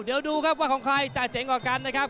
เดี๋ยวดูครับว่าของใครจะเจ๋งกว่ากันนะครับ